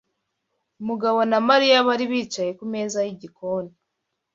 Mugabo na Mariya bari bicaye kumeza yigikoni.